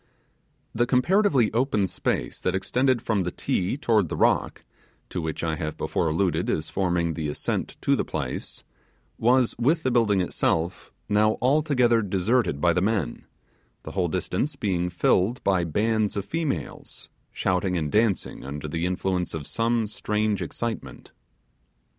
The comparatively open space that extended from the Ti toward the rock, to which I have before alluded as forming the ascent to the place, was, with the building itself, now altogether deserted by the men; the whole distance being filled by bands of females, shouting and dancing under the influence of some strange excitement.